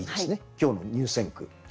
今日の入選句。